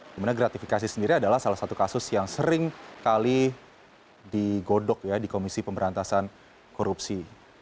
dimana gratifikasi sendiri adalah salah satu kasus yang seringkali digodok ya di komisi pemberantasan korupsi